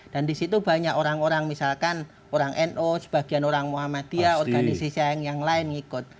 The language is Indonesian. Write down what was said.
dan di situ banyak orang orang misalkan orang no sebagian orang muhammadiyah organisasi yang lain ikut